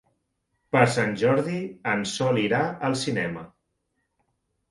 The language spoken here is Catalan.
Per Sant Jordi en Sol irà al cinema.